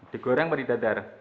digoreng atau didadar